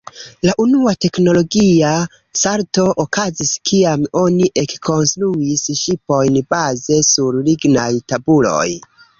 La unua teknologia salto okazis kiam oni ekkonstruis ŝipojn baze sur lignaj tabuloj.